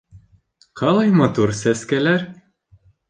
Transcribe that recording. — Ҡалай матур сәскәләр...